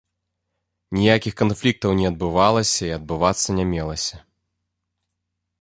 Ніякіх канфліктаў не адбывалася і адбывацца не мелася.